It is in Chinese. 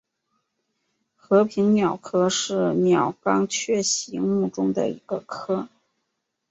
和平鸟科是鸟纲雀形目中的一个科。